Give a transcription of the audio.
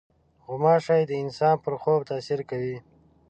غوماشې د انسان پر خوب تاثیر کوي.